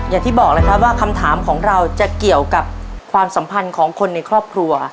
อย่างที่บอกเลยครับว่าคำถามของเราจะเกี่ยวกับความสัมพันธ์ของคนในครอบครัว